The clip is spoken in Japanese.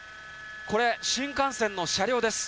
これ、新幹線の車両です。